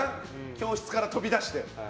教室から飛び出して。